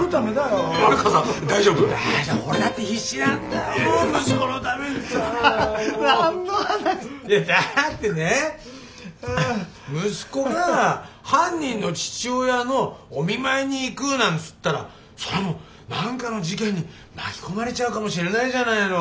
だってね息子が犯人の父親のお見舞いに行くなんつったらそれはもう何かの事件に巻き込まれちゃうかもしれないじゃないの。